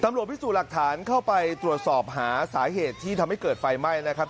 พิสูจน์หลักฐานเข้าไปตรวจสอบหาสาเหตุที่ทำให้เกิดไฟไหม้นะครับ